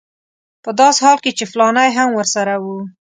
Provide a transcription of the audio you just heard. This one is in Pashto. په داسې حال کې چې فلانی هم ورسره و.